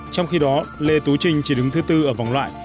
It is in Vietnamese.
trong khi đó lê tú trinh chỉ đứng thứ tư ở vòng loại